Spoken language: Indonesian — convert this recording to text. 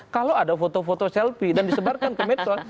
kalau ada foto foto selfie dan disebarkan ke medsos